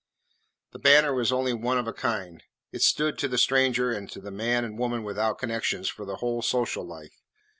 The Banner was only one of a kind. It stood to the stranger and the man and woman without connections for the whole social life.